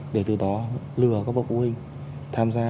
để từ đó lừa các bộ phụ huynh tham gia